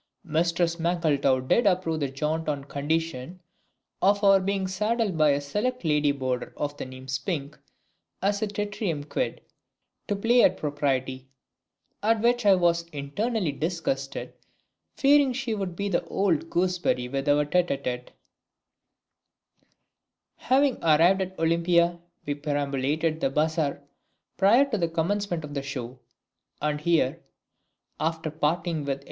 Mistress MANKLETOW did approve the jaunt on condition of our being saddled by a select lady boarder of the name of SPINK as a tertium quid to play at propriety; at which I was internally disgusted, fearing she would play the old gooseberry with our tête à tête. Having arrived at Olympia, we perambulated the bazaar prior to the commencement of the shows, and here (after parting with rs.